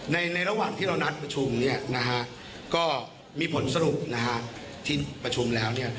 ในระหว่างที่เรานัดประชุมเนี่ยนะฮะก็มีผลสรุปที่ประชุมแล้ว